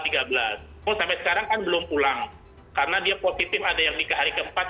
tapi sampai sekarang kan belum pulang karena dia positif ada yang di hari ke empat ada yang di hari ke dua